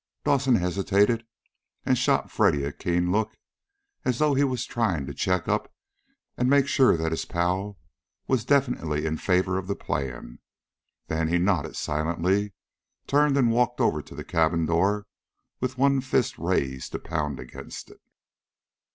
Dawson hesitated, and shot Freddy a keen look, as though he was trying to check up and make sure that his pal was definitely in favor of the plan. Then he nodded silently, turned and walked over to the cabin door with one fist raised to pound against it.